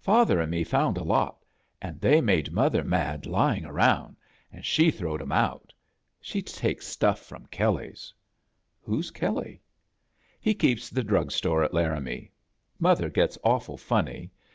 "Father an' me fouod a lot, an' they made mother mad lying around, an' she throwed *em out. She takes stuff iiom KeDe/s." "\Fho'a Kelleyr' "He keeps the drug store at Laramie. Mother gets awfu! funny.